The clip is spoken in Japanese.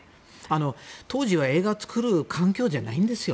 当時は映画を作る環境ではないんですよ。